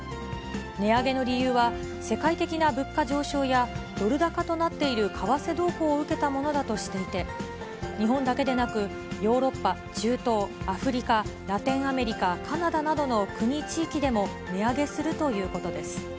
値上げの理由は、世界的な物価上昇や、ドル高となっている為替動向を受けたものだとしていて、日本だけでなく、ヨーロッパ、中東、アフリカ、ラテンアメリカ、カナダなどの国、地域でも値上げするということです。